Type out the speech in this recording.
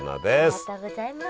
ありがとうございます。